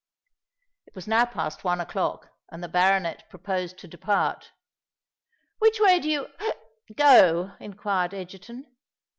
It was now past one o'clock; and the baronet proposed to depart. "Which way do you—hic—go?" inquired Egerton.